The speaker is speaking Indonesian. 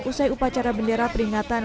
usai upacara bendera peringatan